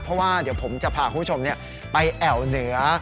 เพราะว่าเดี๋ยวผมจะพาคุณผู้ชมไปแอวเหนือ